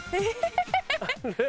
え。